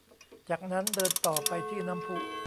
จากนั้นเดินต่อไปที่น้ำพุ